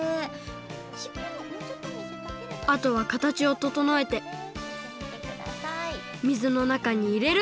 あとはかたちをととのえてみずのなかにいれる！